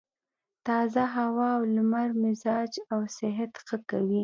تازه هوا او لمر مزاج او صحت ښه کوي.